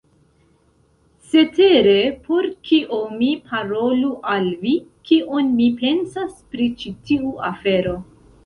Cetere por kio mi parolu al vi, kion mi pensas pri ĉi tiu afero.